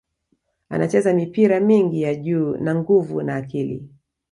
Anacheza mipira mingi ya juu na nguvu na akili